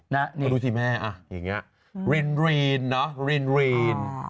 นะนี่เดี๋ยวดูสิแม่อย่างนี้รีนนะรีน